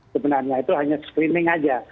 sebenarnya itu hanya screening saja